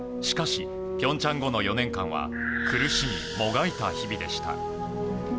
しかし平昌後の４年間は苦しみ、もがいた日々でした。